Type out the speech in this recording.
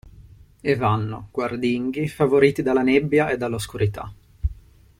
E vanno, guardinghi, favoriti dalla nebbia e dall'oscurità.